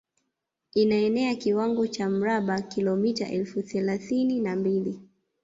Inaenea kiwango cha mraba kilometa elfu thelathini na mbili